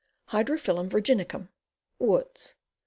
Hydrophyllum Virginicum. Woods.